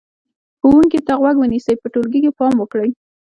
ښوونکي ته غوږ ونیسئ، په ټولګي کې پام وکړئ،